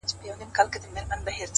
څوک چي ونو سره شپې کوي~